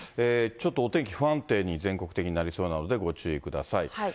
ちょっとお天気、不安定に全国的になりそうなので、ご注意ください。